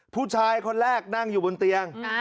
ผู้ชายคนแรกนั่งอยู่บนเตียง